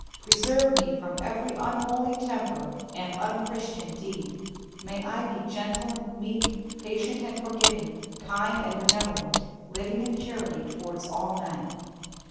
Preserve me from every unholy temper and unchristian deed. May I be gentle and meek, patient and forgiving, kind and benevolent, living in charity towards all men.